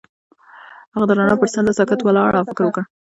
هغه د رڼا پر څنډه ساکت ولاړ او فکر وکړ.